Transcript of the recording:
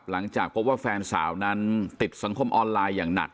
หลังจากพบว่าแฟนสาวนั้นติดสังคมออนไลน์อย่างหนัก